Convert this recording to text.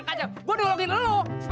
itu gambar pri kemana sih